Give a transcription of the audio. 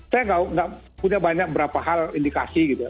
saya nggak punya banyak berapa hal indikasi gitu ya